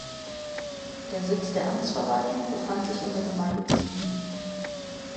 Der Sitz der Amtsverwaltung befand sich in der Gemeinde Ziethen.